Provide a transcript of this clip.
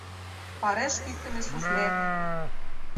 «Пареш кӱктымӧ суфле.